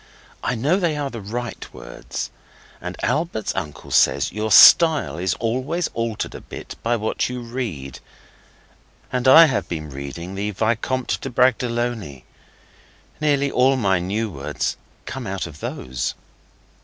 I know they are the right words. And Albert's uncle says your style is always altered a bit by what you read. And I have been reading the Vicomte de Bragelonne. Nearly all my new words come out of those.)